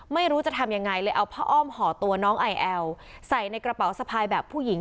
ไม่รู้จะทำยังไงเลยเอาผ้าอ้อมห่อตัวน้องไอแอลใส่ในกระเป๋าสะพายแบบผู้หญิง